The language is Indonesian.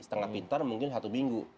setengah pintar mungkin satu minggu